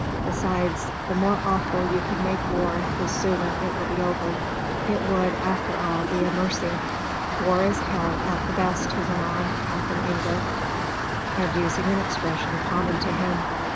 Besides, the more awful you can make war the sooner it will be over." It would, after all, be a mercy. "War is hell, at the best," he went on, half in anger, and using an expression common to him.